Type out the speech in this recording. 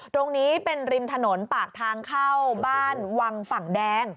ตรงนี้เป็นริมถนนปากทางเข้าบ้านวังฝั่งแดง